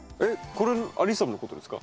これ「アリッサム」のことですか？